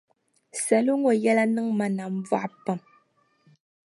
Salo ŋɔ yɛla niŋ ma nambɔɣu pam.